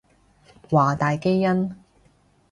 華大基因